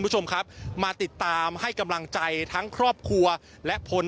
คุณผู้ชมครับมาติดตามให้กำลังใจทั้งครอบครัวและพล